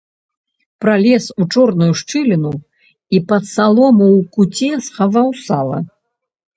Пралез у чорную шчыліну і пад салому ў куце схаваў сала.